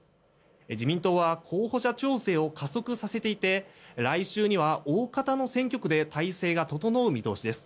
自民党は候補者調整を加速させていて来週には大方の選挙区で体制が整う見込みです。